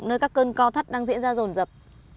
nơi các cơn co thắt đang diễn ra rồn rập